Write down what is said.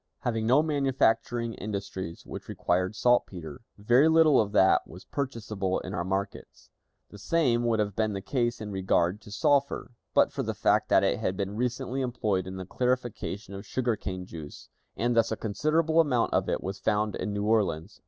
Having no manufacturing industries which required saltpeter, very little of that was purchasable in our markets. The same would have been the case in regard to sulphur, but for the fact that it had been recently employed in the clarification of sugar cane juice, and thus a considerable amount of it was found in New Orleans.